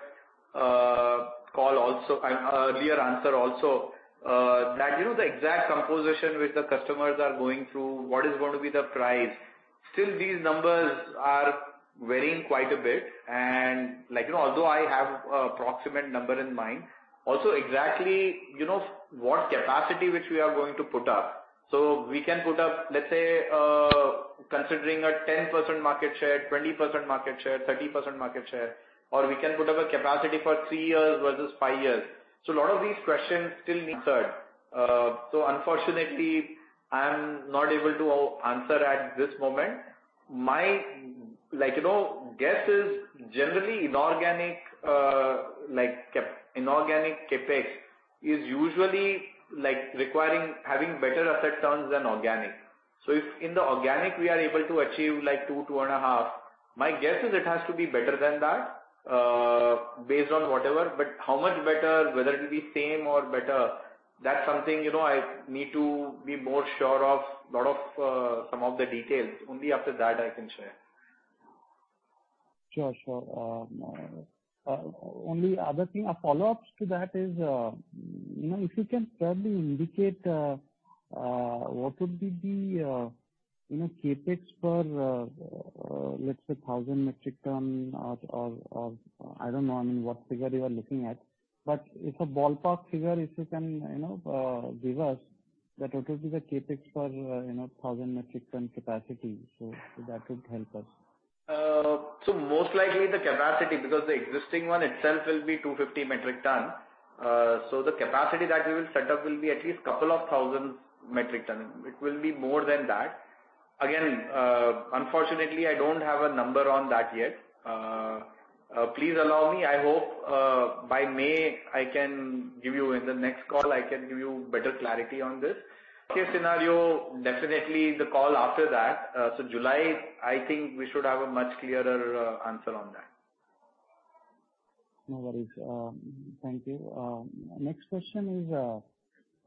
call also, earlier answer also, that, you know, the exact composition which the customers are going through, what is going to be the price. Still these numbers are varying quite a bit and like, you know, although I have approximate number in mind. Also exactly, you know, what capacity which we are going to put up. So we can put up, let's say, considering a 10% market share, 20% market share, 30% market share, or we can put up a capacity for three years versus five years. So a lot of these questions still need answered. So unfortunately, I'm not able to answer at this moment. My, like, you know, guess is generally inorganic CAPEX is usually like requiring having better asset turns than organic. If in the organic we are able to achieve like two and a half, my guess is it has to be better than that based on whatever. How much better, whether it'll be same or better, that's something, you know, I need to be more sure of a lot of some of the details. Only after that I can share. Sure, sure. Only other thing, a follow-up to that is, you know, if you can probably indicate what would be the, you know, CAPEX for, let's say 1,000 metric ton or I don't know, I mean, what figure you are looking at. But if a ballpark figure, if you can, you know, give us that what would be the CAPEX for, you know, 1,000 metric ton capacity. So that would help us. Most likely the capacity, because the existing one itself will be 250 metric tons. The capacity that we will set up will be at least couple of thousand metric tons. It will be more than that. Again, unfortunately, I don't have a number on that yet. Please allow me. I hope, by May, I can give you in the next call, I can give you better clarity on this. Worst case scenario, definitely the call after that. July, I think we should have a much clearer answer on that. No worries. Thank you. Next question is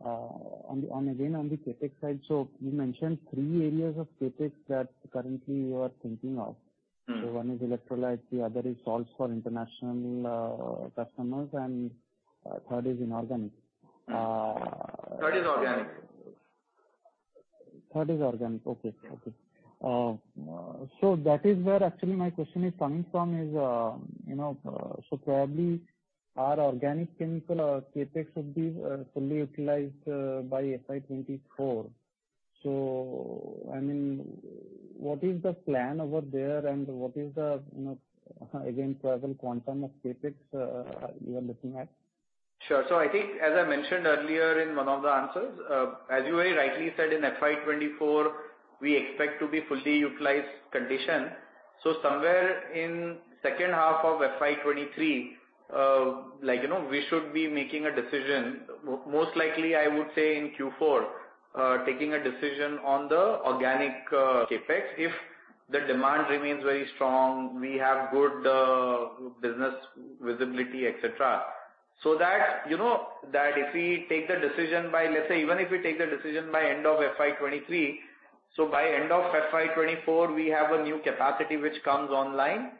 on again on the CAPEX side. You mentioned three areas of CAPEX that currently you are thinking of. Mm-hmm. One is electrolytes, the other is salts for international customers, and third is inorganic. Third is organic. Third is organic. Okay. That is where actually my question is coming from is, you know, so probably our organic chemical CAPEX would be fully utilized by FY 2024. I mean, what is the plan over there, and what is the, you know, again, probably quantum of CAPEX you are looking at? Sure. I think as I mentioned earlier in one of the answers, as you very rightly said, in FY 2024, we expect to be fully utilized condition. Somewhere in second half of FY 2023, like, you know, we should be making a decision. Most likely, I would say in Q4, taking a decision on the organic CAPEX. If the demand remains very strong, we have good business visibility, etc. That, you know, that if we take the decision by, let's say even if we take the decision by end of FY 2023, so by end of FY 2024, we have a new capacity which comes online,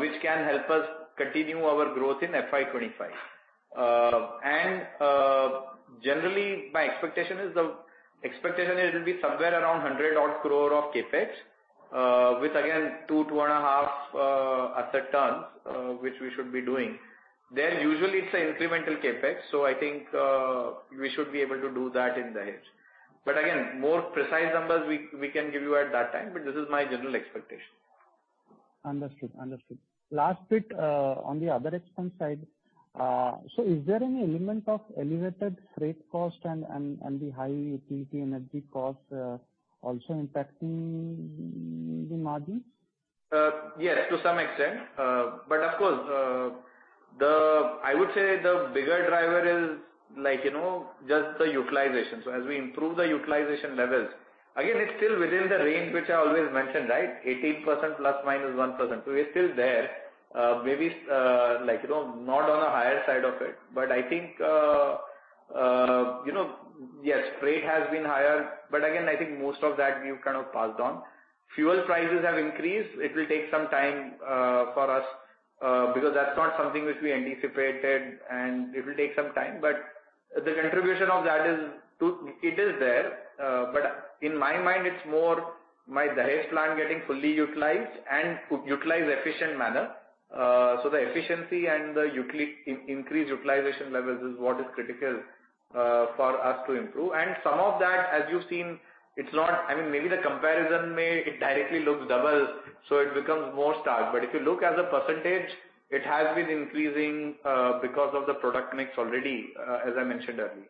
which can help us continue our growth in FY 2025. Generally my expectation is it will be somewhere around 100-odd crore of CAPEX, with again 2-2.5 asset tons, which we should be doing. Usually it's an incremental CAPEX, so I think we should be able to do that in Dahej. Again, more precise numbers we can give you at that time, but this is my general expectation. Understood. Last bit, on the other expense side. So is there any element of elevated freight cost and the high utility energy costs, also impacting the margins? Yes, to some extent. Of course, the bigger driver is like, you know, just the utilization as we improve the utilization levels. Again, it's still within the range which I always mention, right? 18% ±1%. It's still there. Maybe, like, you know, not on a higher side of it, but I think, you know, yes, freight has been higher. Again, I think most of that we've kind of passed on. Fuel prices have increased. It will take some time for us because that's not something which we anticipated, and it will take some time. The contribution of that is there. In my mind it's more my Dahej plant getting fully utilized efficient manner. The efficiency and the increased utilization levels is what is critical for us to improve. Some of that, as you've seen, I mean, maybe the comparison, it directly looks double, so it becomes more stark. If you look as a percentage, it has been increasing because of the product mix already, as I mentioned earlier.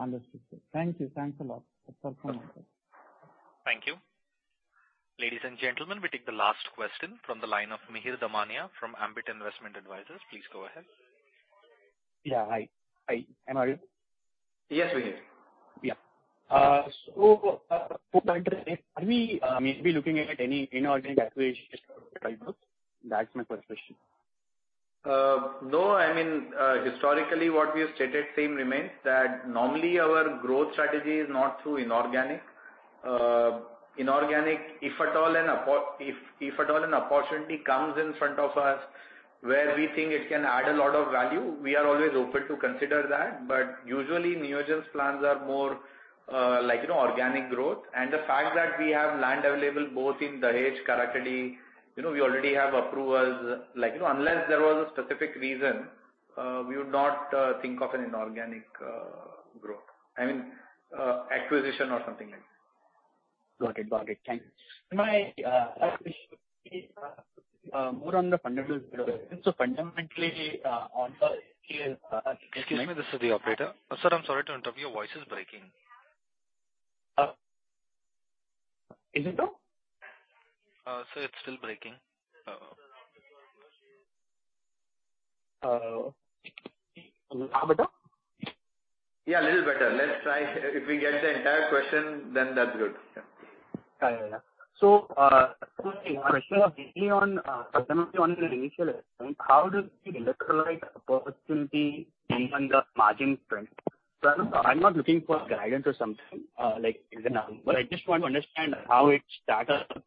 Understood, sir. Thank you. Thanks a lot. That's all from my side. Thank you. Ladies and gentlemen, we take the last question from the line of Mihir Damania from Ambit Investment Advisors. Please go ahead. Yeah. Hi. Hi. Am I on? Yes, Mihir. Yeah. For the interest, are we maybe looking at any inorganic acquisition for the fiscal? That's my first question. No, I mean, historically, what we have stated same remains, that normally our growth strategy is not through inorganic. Inorganic, if at all an opportunity comes in front of us where we think it can add a lot of value, we are always open to consider that. Usually Neogen's plans are more, like, you know, organic growth. The fact that we have land available both in Dahej, Karakhadi, you know, we already have approvals. Like, you know, unless there was a specific reason, we would not think of an inorganic growth. I mean, acquisition or something like that. Got it. Thank you. My more on the fundamentals. Fundamentally on the. Excuse me, this is the operator. Sir, I'm sorry to interrupt, your voice is breaking. Is it though? Sir, it's still breaking. Loud better? Yeah, a little better. Let's try. If we get the entire question, then that's good. Yeah. Yeah. Fundamentally on your initial estimate, how does the electrolyte opportunity change on the margin front? I'm not looking for guidance or something like it's a number. I just want to understand how it stacks up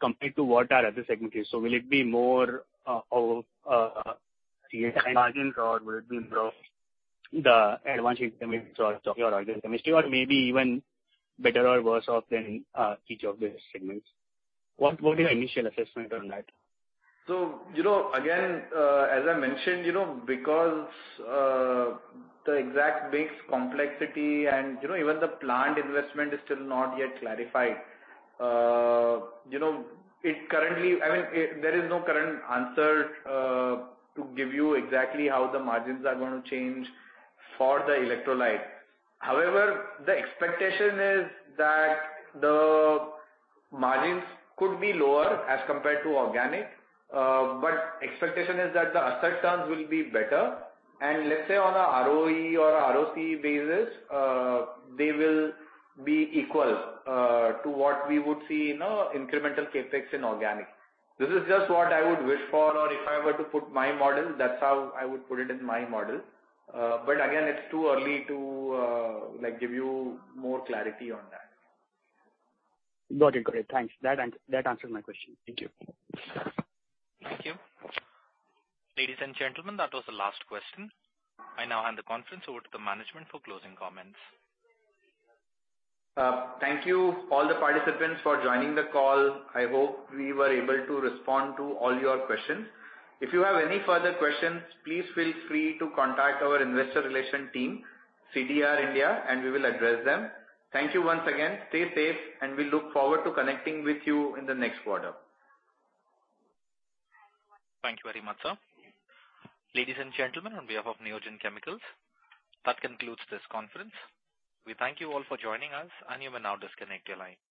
compared to what your other segment is. Will it be more over CSM margins or will it be more the advanced intermediates or your organic chemistry, or maybe even better or worse off than each of the segments? What is your initial assessment on that? You know, again, as I mentioned, you know, because the exact mix complexity and, you know, even the plant investment is still not yet clarified, you know, there is no current answer to give you exactly how the margins are gonna change for the electrolyte. However, the expectation is that the margins could be lower as compared to organic. Expectation is that the asset turns will be better. Let's say on a ROE or ROC basis, they will be equal to what we would see in a incremental CAPEX in organic. This is just what I would wish for or if I were to put my model, that's how I would put it in my model. Again, it's too early to, like, give you more clarity on that. Got it. Great. Thanks. That answered my question. Thank you. Thank you. Ladies and gentlemen, that was the last question. I now hand the conference over to the management for closing comments. Thank you all the participants for joining the call. I hope we were able to respond to all your questions. If you have any further questions, please feel free to contact our investor relations team, CDR India, and we will address them. Thank you once again. Stay safe, and we look forward to connecting with you in the next quarter. Thank you very much, sir. Ladies and gentlemen, on behalf of Neogen Chemicals, that concludes this conference. We thank you all for joining us, and you may now disconnect your line.